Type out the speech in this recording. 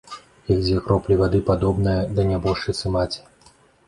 Як дзве кроплі вады падобная да нябожчыцы маці.